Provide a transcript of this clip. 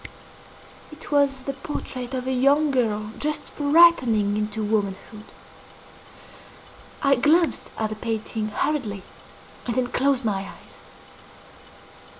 It was the portrait of a young girl just ripening into womanhood. I glanced at the painting hurriedly, and then closed my eyes.